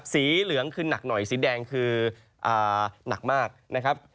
สีเหลืองคือหนักหน่อยสีแดงคือหนักมากนะครับ